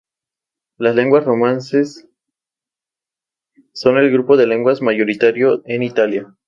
Las lenguas romances son el grupo de lenguas mayoritario en Italia.